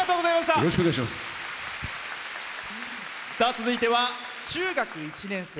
続いては、中学１年生。